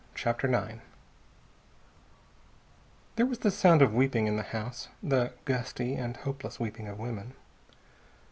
CHAPTER IX There was the sound of weeping in the house, the gusty and hopeless weeping of women.